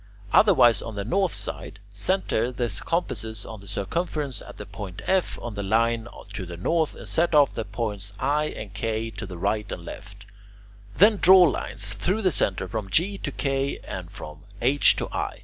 Likewise on the north side, centre the compasses on the circumference at the point F on the line to the north, and set off the points I and K to the right and left; then draw lines through the centre from G to K and from H to I.